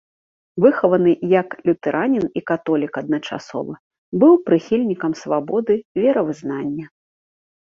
Выхаваны як лютэранін і католік адначасова, быў прыхільнікам свабоды веравызнання.